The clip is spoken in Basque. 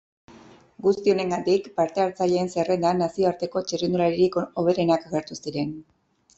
Guzti honengatik, parte-hartzaileen zerrendan nazioarteko txirrindularirik hoberenak agertu ziren.